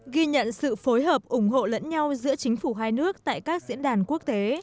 ghi nhận sự phối hợp ủng hộ lẫn nhau giữa chính phủ hai nước tại các diễn đàn quốc tế